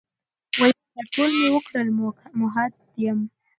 ویل دا ټول مي وکړل، مؤحد یم ،